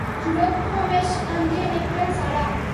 Zure promes handien epean zara.